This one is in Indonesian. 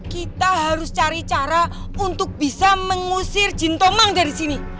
kita harus cari cara untuk bisa mengusir jintomang dari sini